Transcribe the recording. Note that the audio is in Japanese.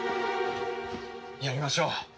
やりましょう。